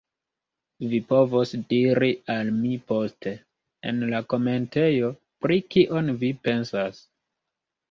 Vi povos diri al mi poste, en la komentejo, pri kion vi pensas.